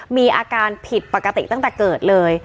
มีอาการผิดปกติตั้งแต่เกิดเลย